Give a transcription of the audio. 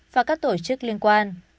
và các tổ chức liên quan